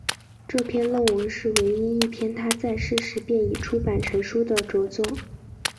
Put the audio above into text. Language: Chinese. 这篇论文是唯一一篇他在世时便已出版成书的着作。